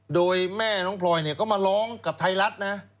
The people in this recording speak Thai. โดยแม่น้องพลอยเนี่ยก็มาร้องกับไทยรัฐนะ